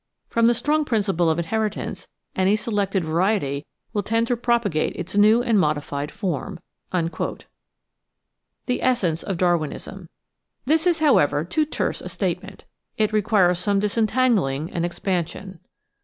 From the strong principle of inheritance any selected variety will tend to propagate its new and modified form." The Essence of Darwinism This is, however, too terse a statement. It requires some dis entangling and expansion.